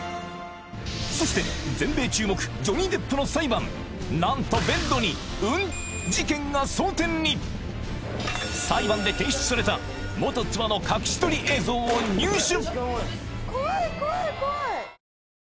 そして全米注目ジョニー・デップの裁判何とが争点に裁判で提出された元妻の隠し撮り映像を入手